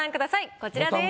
こちらです。